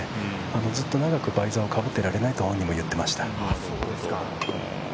ずっと長くバイザーをかぶっていられないと本人は話していました。